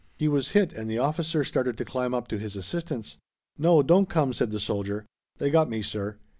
He was hit and the officer started to climb up to his assistance. "No, don't come," said the soldier. "They got me, sir."